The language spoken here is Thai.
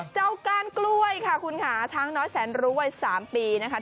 ก้านกล้วยค่ะคุณค่ะช้างน้อยแสนรู้วัย๓ปีนะคะ